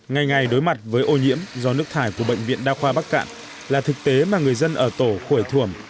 ngày ngày đối mặt với ô nhiễm do nước thải của bệnh viện đa khoa bắc cạn là thực tế mà người dân ở tổ khuổi thuồng